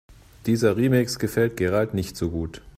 Dieser Remix gefällt Gerald nicht so gut.